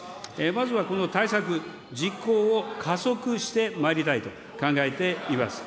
まずはこの対策、実行を加速してまいりたいと考えています。